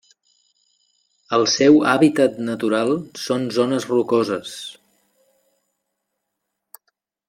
El seu hàbitat natural són zones rocoses.